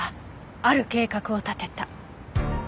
ある計画を立てた。